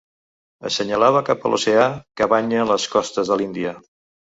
Assenyalava cap a l'oceà que banya les costes de l'Índia.